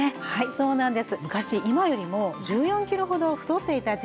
そうなんです。